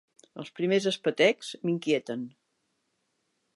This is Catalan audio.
Els primers espetecs m'inquieten.